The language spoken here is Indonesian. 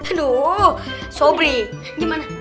aduh sobri gimana